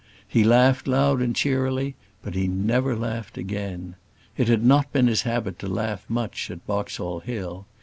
He laughed loud and cheerily; but he never laughed again. It had not been his habit to laugh much at Boxall Hill.